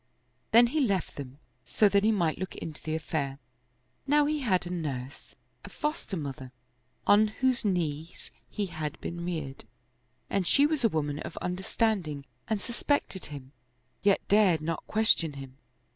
Then he left them, so he might look into the affair. Now he had a nurse, a foster mother, on whose knees he had been reared, and she was a woman of understanding and suspected him, yet dared not question him.